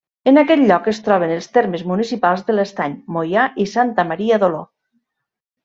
En aquest lloc es troben els termes municipals de l'Estany, Moià i Santa Maria d'Oló.